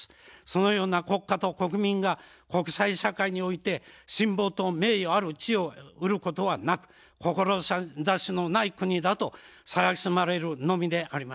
そのような国家と国民が国際社会において信望と名誉ある地位を得ることはなく志のない国だと蔑まれるのみであります。